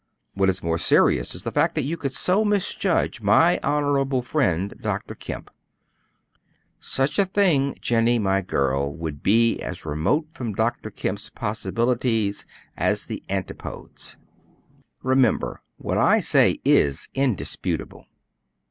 What is more serious is the fact that you could so misjudge my honorable friend, Dr. Kemp. Such a thing, Jennie, my girl, would be as remote from Dr. Kemp's possibilities as the antipodes. Remember, what I say is indisputable.